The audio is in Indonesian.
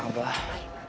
abah dan apa maksudnya